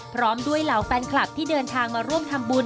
พร้อมด้วยเหล่าแฟนคลับที่เดินทางมาร่วมทำบุญ